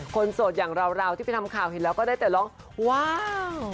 โสดอย่างเราที่ไปทำข่าวเห็นแล้วก็ได้แต่ร้องว้าว